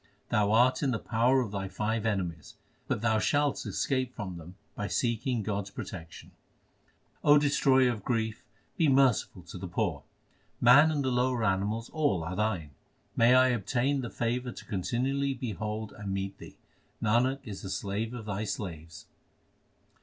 Thou art in the power of thy five enemies, but tho 1 ! shalt escape from them by seeking God s protection. Destroyer of grief, be merciful to the poor ; man and the lower animals all are Thine. May I obtain the favour to continually behold and meet Thee ! Nanak is the slave of Thy slaves.